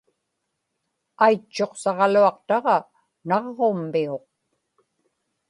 aitchuqsaġaluaqtaġa naġġummiuq